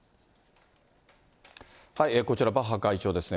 こちら、バッハ会長ですね。